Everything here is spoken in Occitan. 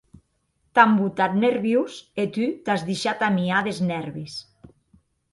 T’an botat nerviós e tu t’as deishat amiar des nèrvis.